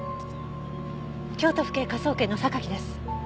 京都府警科捜研の榊です。